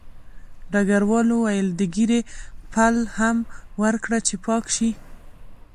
ډګروال وویل د ږیرې پل هم ورکړه چې پاک شي